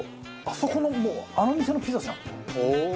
あそこのあの店のピザじゃん。